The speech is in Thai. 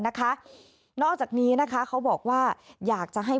นะคะนอกจากนี้นะคะเขาบอกว่าอยากจะให้